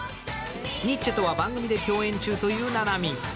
ニッチェとは番組で共演中というななみん。